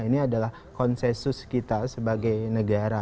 ini adalah konsensus kita sebagai negara